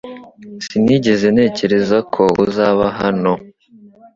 Sinigeze ntekereza ko uzaba hano